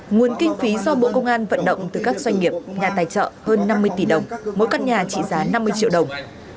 nguồn kinh phí do bộ công an vận động từ các doanh nghiệp nhà tài trợ hơn năm mươi tỷ đồng mỗi căn nhà trị giá năm mươi triệu đồng